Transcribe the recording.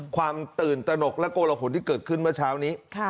ความตื่นตนกและโกละหนที่เกิดขึ้นเมื่อเช้านี้